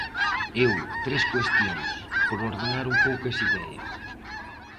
Eu, tres cuestións, por ordenar un pouco as ideas.